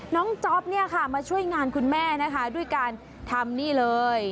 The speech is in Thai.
น้องจ๊อบมาช่วยงานคุณแม่นะคะด้วยการทำนี่เลย